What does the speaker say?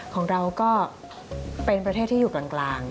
ของเราก็เป็นประเทศที่อยู่กลาง